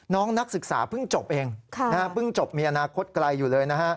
น้องนักศึกษาเพิ่งจบเองมีอนาคตไกลอยู่เลย